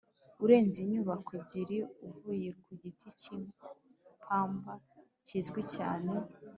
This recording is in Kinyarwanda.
Urenze inyubako ebyiri uvuye ku giti cy ipamba kizwi cyane